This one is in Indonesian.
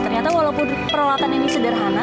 ternyata walaupun peralatan ini sederhana